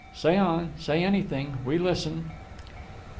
"Say on; say anything. We listen."